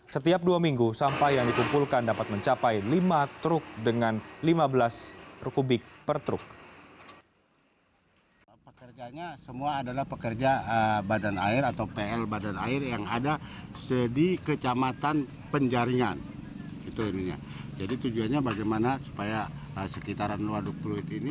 setiap dua minggu sampah yang dikumpulkan dapat mencapai lima truk dengan lima belas kubik per truk